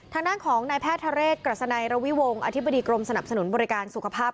ทางด้านของนายแพทย์ทะเรศกรัศนัยระวิวงศ์อธิบดีกรมสนับสนุนบริการสุขภาพ